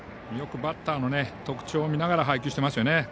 よくバッターの特徴を見ながら配球してますよね。